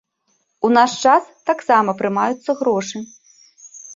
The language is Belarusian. У наш час таксама прымаюцца грошы.